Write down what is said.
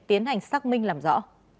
tiến hành xác minh làm rõ